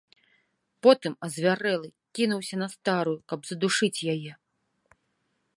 Потым, азвярэлы, кінуўся на старую, каб задушыць яе.